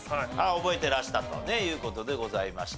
覚えてらしたという事でございました。